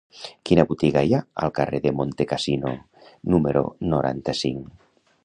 Quina botiga hi ha al carrer de Montecassino número noranta-cinc?